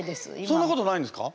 そんなことないんですか？